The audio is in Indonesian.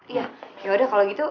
iya ya udah kalau gitu